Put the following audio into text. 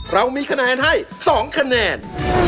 เรามีคะแนนให้๒คะแนน